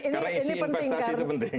karena isi investasi itu penting